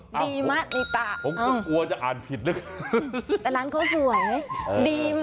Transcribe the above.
ผมก็กลัวจะอ่านผิดนะครับ